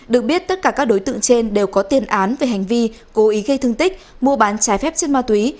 được biết tất cả các đối tượng trên đều có tiên án về hành vi cố ý gây thương tích mua bán trái phép chất ma túy